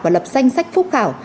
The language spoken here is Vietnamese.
và lập danh sách phúc khảo